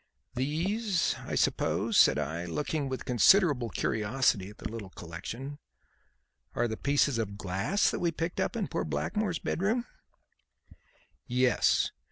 "These, I suppose," said I, looking with considerable curiosity at the little collection, "are the pieces of glass that we picked up in poor Blackmore's bedroom?" "Yes.